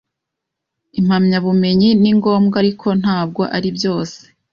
Impamyabumenyi ni ngombwa, ariko ntabwo aribyose.